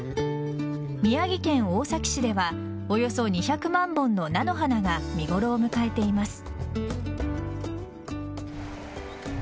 宮城県大崎市ではおよそ２００万本の菜の花が見頃を迎えています。